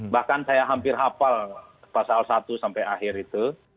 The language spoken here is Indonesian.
bahkan saya hampir hafal pasal satu sampai akhir itu